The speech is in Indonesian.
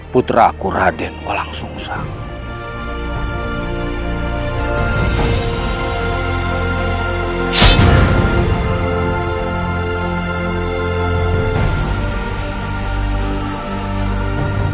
putraku raden walangsungsang